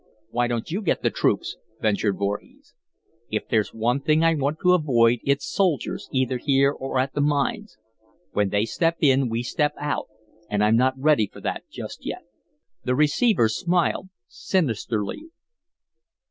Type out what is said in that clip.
"Why don't you get the troops?" ventured Voorhees. "If there's one thing I want to avoid, it's soldiers, either here or at the mines. When they step in, we step out, and I'm not ready for that just yet." The receiver smiled sinisterly.